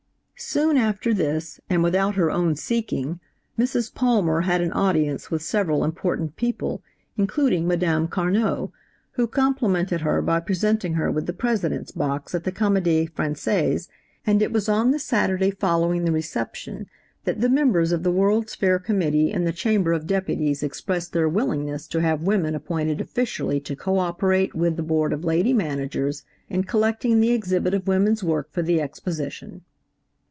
"Soon after this, and without her own seeking, Mrs. Palmer had an audience with several important people, including Madame Carnot, who complimented her by presenting her with the President's box at the Comédie Française, and it was on the Saturday following the reception that the members of the World's Fair Committee in the Chamber of Deputies expressed their willingness to have women appointed officially to co operate with the Board of Lady Managers, in collecting the exhibit of women's work for the Exposition."